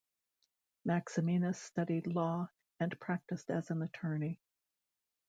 Maximinus studied law, and practiced as an attorney.